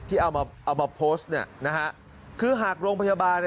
ที่เอามาโพสต์คือหากโรงพยาบาล